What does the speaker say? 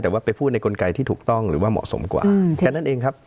แต่ว่าไปพูดในกลไกที่ถูกต้องหรือว่าเหมาะสมกว่าแค่นั้นเองครับ